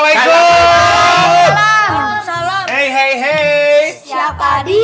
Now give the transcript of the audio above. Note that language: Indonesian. asal gak boleh kambing